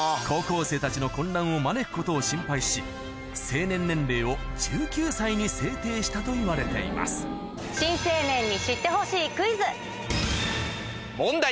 高校生たちの混乱を招くことを心配し成年年齢を１９歳に制定したといわれています問題。